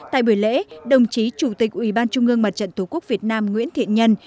tại buổi lễ đồng chí chủ tịch ủy ban trung ương mặt trận tổ quốc việt nam nguyễn thiện nhân